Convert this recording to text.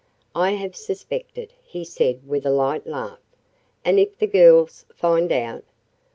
"I have suspected," he said with a light laugh. "And if the girls find out?"